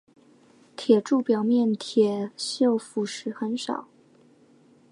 铁柱表面铁锈腐蚀很少。